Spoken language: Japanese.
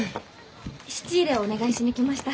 質入れをお願いしに来ました。